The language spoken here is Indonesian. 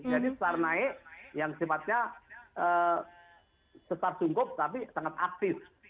jadi setara naik yang sempatnya setara sungguh tapi sangat aktif